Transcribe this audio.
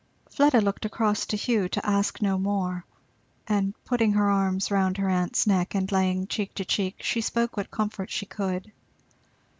Fleda looked across to Hugh to ask no more, and putting her arms round her aunt's neck and laying cheek to cheek, she spoke what comfort she could.